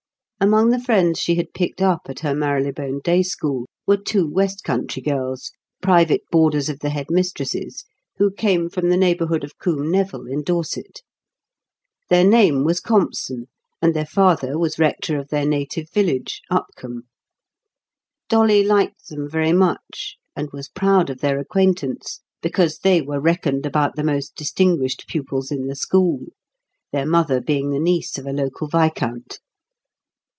Among the friends she had picked up at her Marylebone day school were two west country girls, private boarders of the head mistress's, who came from the neighbourhood of Combe Neville in Dorset. Their name was Compson, and their father was rector of their native village, Upcombe. Dolly liked them very much, and was proud of their acquaintance, because they were reckoned about the most distinguished pupils in the school, their mother being the niece of a local viscount.